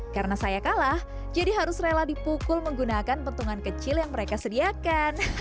karena saya kalah jadi harus rela dipukul menggunakan pentungan kecil yang mereka sediakan